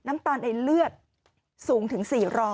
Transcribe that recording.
น้ำตาลในเลือดสูงถึง๔๐๐